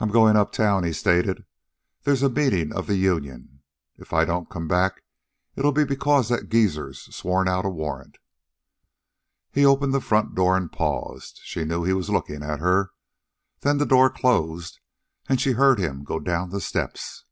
"I'm goin' up town," he stated. "They's a meeting of the union. If I don't come back it'll be because that geezer's sworn out a warrant." He opened the front door and paused. She knew he was looking at her. Then the door closed and she heard him go down the steps.